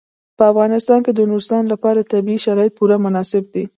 په افغانستان کې د نورستان لپاره طبیعي شرایط پوره مناسب دي.